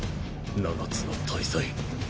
七つの大罪。